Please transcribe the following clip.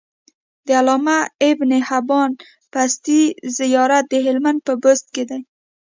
د علامه ابن حبان بستي زيارت د هلمند په بست کی